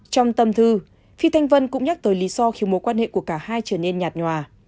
trong tâm thư phi thanh vân cũng nhắc tới lý do khiến mối quan hệ của cả hai trở nên nhạt nhòa